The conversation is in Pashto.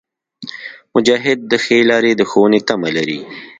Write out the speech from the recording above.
مجاهد د ښې لارې د ښوونې تمه لري.